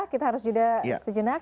kita harus juga sejenak